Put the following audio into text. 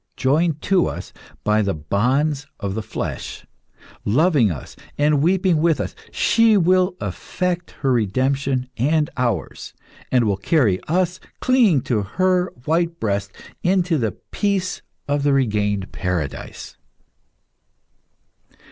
Joined to us by the bonds of the flesh, loving us, and weeping with us, she will effect her redemption and ours, and will carry us, clinging to her white breast, into the peace of the regained paradise."